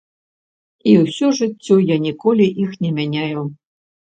І ўсё жыццё я ніколі іх не мяняю.